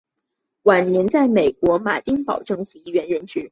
晚年在美国马丁堡政府医院任职。